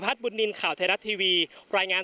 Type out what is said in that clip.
พร้อมด้วยผลตำรวจเอกนรัฐสวิตนันอธิบดีกรมราชทัน